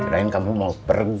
kirain kamu mau pergi